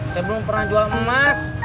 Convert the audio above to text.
saya belum pernah jual emas